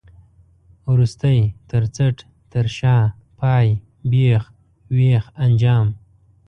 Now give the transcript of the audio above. وروستی، تر څټ، تر شا، پای، بېخ، وېخ، انجام.